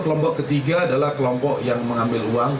lalu yang ketiga adalah kelompok yang diambil uang